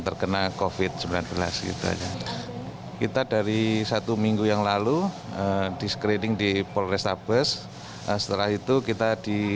terkena kofit sembilan belas kita dari satu minggu yang lalu diskrining di polres abas setelah itu kita di